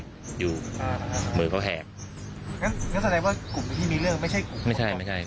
พวกมันต้องกินกันพี่